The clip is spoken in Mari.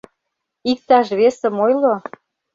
Иктаж весым ойло.